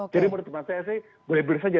jadi menurut saya boleh boleh saja